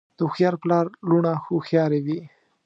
د هوښیار پلار لوڼه هوښیارې وي.